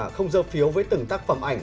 không dơ phiếu với từng tác phẩm ảnh